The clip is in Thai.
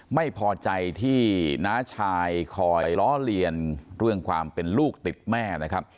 ไม่พอใจที่น้าชายคอยล้อเลียนเรื่องความเป็นลูกติดแม่นะครับ